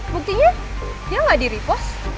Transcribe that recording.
buktinya dia nggak di repost